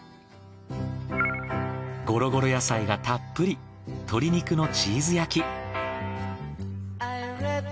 ゴロゴロ野菜がたっぷり鶏肉のチーズ焼き。